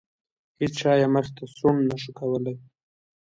هیچا یې مخې ته سوڼ نه شو کولی.